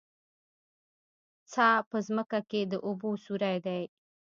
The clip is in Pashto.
څا په ځمکه کې د اوبو سوری دی